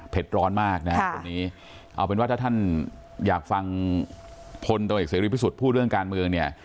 ร้อนมากนะฮะคนนี้เอาเป็นว่าถ้าท่านอยากฟังพลตรวจเอกเสรีพิสุทธิ์พูดเรื่องการเมืองเนี่ย